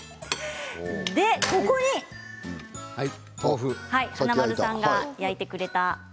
ここに華丸さんが焼いてくれた。